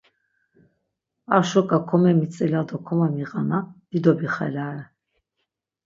Ar şuǩa komemitzila do komomiğnana dido bixelare.